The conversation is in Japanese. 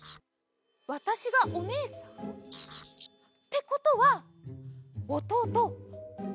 わたしがおねえさん？ってことはおとうとい